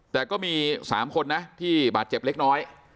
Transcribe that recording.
แต่ก็มี๓คนนะที่บาดเจ็บเล็กน้อย